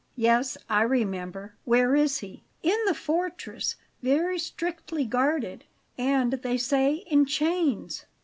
"Yes, I remember. Where is he?" "In the fortress; very strictly guarded, and, they say, in chains."